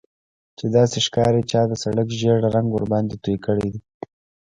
چې داسې ښکاري چا د سړک ژیړ رنګ ورباندې توی کړی دی